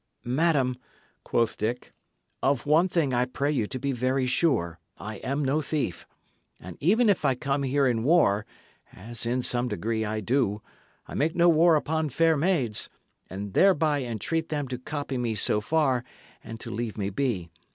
"Madam," quoth Dick, "of one thing I pray you to be very sure: I am no thief. And even if I come here in war, as in some degree I do, I make no war upon fair maids, and I hereby entreat them to copy me so far, and to leave me be.